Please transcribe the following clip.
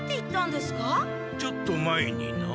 ちょっと前にな。